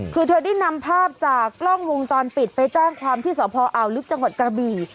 คือเธอได้นำภาพจากกล้องวงจรปิดไปแจ้งความที่สพอ่าวลึกจังหวัดกระบี่